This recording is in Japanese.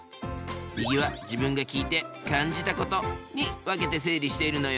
右は自分が聞いて「感じたこと」に分けて整理しているのよ。